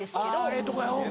ええとこやうん。